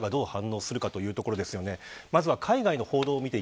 ロシアがどのように反応するのかというところです。